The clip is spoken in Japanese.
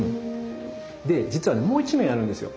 で実はもう１面あるんですよ。